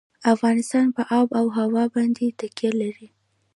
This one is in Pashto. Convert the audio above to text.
افغانستان په آب وهوا باندې تکیه لري.